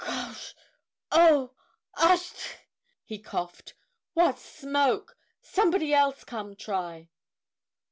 Cauch! Cawc! Ochee!" he coughed. "What smoke! Somebody else come try!"